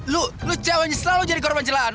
lu lu ceweknya selalu jadi korban celahan